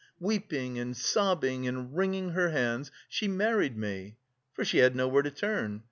Weeping and sobbing and wringing her hands, she married me! For she had nowhere to turn!